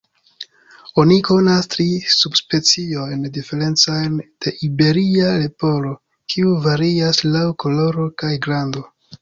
Oni konas tri subspeciojn diferencajn de Iberia leporo, kiuj varias laŭ koloro kaj grando.